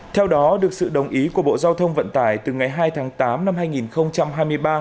theo đó được sự đồng ý của bộ giao thông vận tải từ ngày hai tháng tám năm hai nghìn hai mươi ba